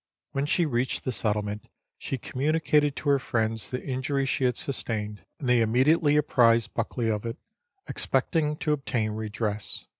When she reached the settlement she communicated to her friends the injury she had sustained, and they immediately apprised Buckley of it, expecting to obtain redress.